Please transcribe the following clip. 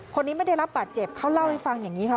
คนนี้ไม่ได้รับบาดเจ็บเขาเล่าให้ฟังอย่างนี้ค่ะ